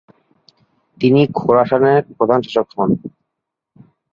তিনি খোরাসানের প্রধান শাসক হন।